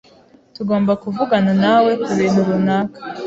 Tugomba kuvugana nawe kubintu runaka.